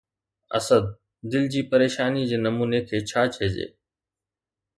اسد! دل جي پريشانيءَ جي نموني کي ڇا چئجي؟